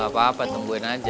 apa apa tungguin aja